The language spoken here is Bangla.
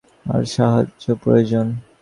তার সাহায্য প্রয়োজন।